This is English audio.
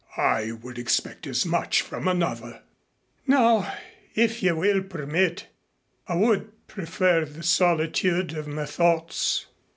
I would expect as much from another." "Now, if you will permit, I would prefer the solitude of my thoughts."